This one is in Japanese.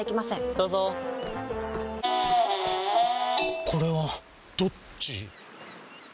どうぞこれはどっち？